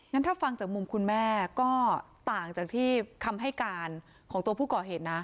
ถ้าฟังจากมุมคุณแม่ก็ต่างจากที่คำให้การของตัวผู้ก่อเหตุนะ